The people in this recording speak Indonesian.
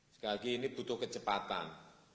sekali lagi ini butuh kecepatan